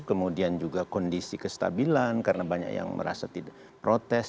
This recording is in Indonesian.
kemudian juga kondisi kestabilan karena banyak yang merasa tidak protes